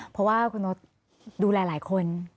เพราะว่าคุณโน๊ตดูแลหลายคน